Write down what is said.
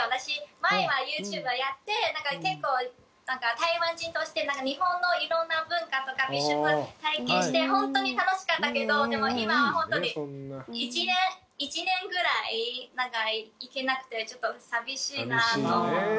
前はユーチューバーやってなんか結構台湾人として日本のいろんな文化とか美食体験して本当に楽しかったけどでも今は本当に１年１年ぐらいなんか行けなくてちょっと寂しいなと思って。